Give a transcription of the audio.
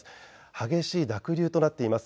激しい濁流となっています。